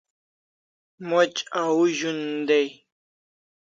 Moch au zun dai